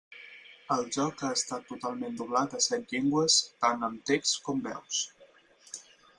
El joc ha estat totalment doblat a set llengües tant amb text com veus.